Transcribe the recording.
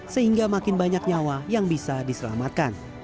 sehingga makin banyak nyawa yang bisa diselamatkan